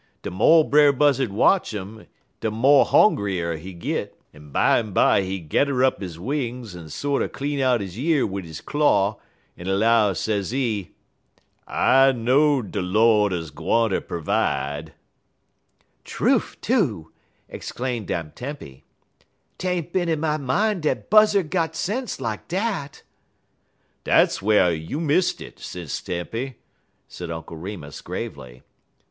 De mo' Brer Buzzard watch 'im de mo' hongrier he git, en bimeby he gedder up he wings, en sorter clean out he year wid he claw, en 'low, sezee: "'I know'd de Lord 'uz gwineter pervide.'" "Trufe too!" exclaimed Aunt Tempy. "'T ain't bin in my min' dat Buzzard got sense lak dat!" "Dar's whar you missed it, Sis Tempy," said Uncle Remus gravely.